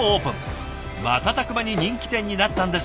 瞬く間に人気店になったんですって。